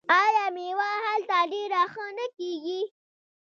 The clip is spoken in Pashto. آیا میوه هلته ډیره ښه نه کیږي؟